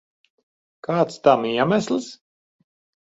Kāds tam iemesls?